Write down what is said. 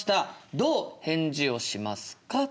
どう返事をしますか？